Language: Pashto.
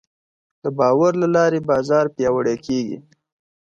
د باور له لارې بازار پیاوړی کېږي.